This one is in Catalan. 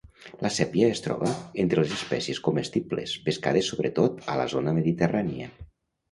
La sèpia es troba entre les espècies comestibles, pescades sobretot a la zona Mediterrània.